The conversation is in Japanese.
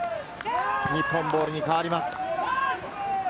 日本ボールに変わります。